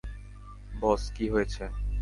বস, কী হয়েছে?